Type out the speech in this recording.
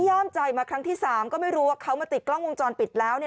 ย่ามใจมาครั้งที่๓ก็ไม่รู้ว่าเขามาติดกล้องวงจรปิดแล้ว